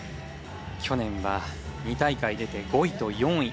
去年は２大会出て５位と４位。